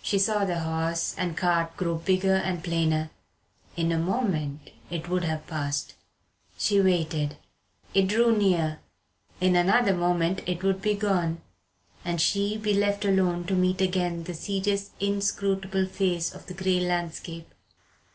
She saw the horse and cart grow bigger and plainer. In a moment it would have passed. She waited. It drew near. In another moment it would be gone, and she be left alone to meet again the serious inscrutable face of the grey landscape.